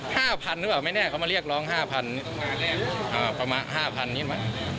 ๕๐๐๐หรือเปล่าไม่แน่เค้ามาเรียกร้อง๕๐๐๐นี่ประมาณ๕๐๐๐นี่ไหม